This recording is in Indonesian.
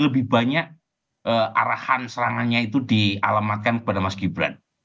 lebih banyak arahan serangannya itu dialamatkan kepada mas gibran